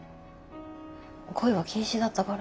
恋は禁止だったから。